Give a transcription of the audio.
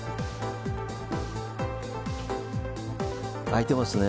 開いてますね。